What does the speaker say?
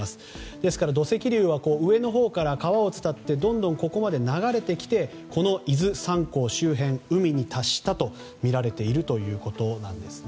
ですから、土石流は上のほうから川を伝ってどんどん流れてきて伊豆山港周辺海に達したとみられているということなんですね。